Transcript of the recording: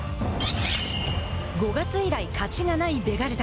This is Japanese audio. ５月以来、勝ちがないベガルタ。